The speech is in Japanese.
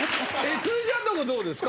辻ちゃんとこどうですか？